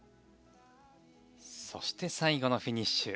そして最後のフィニッシュ。